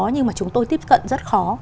nhưng mà chúng tôi tiếp cận rất khó